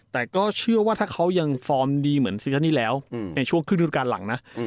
แต่ก็เชื่อว่าถ้าเขายังฟอร์มดีเหมือนซีซันนี้แล้วในช่วงขึ้นทุนการหลังนะ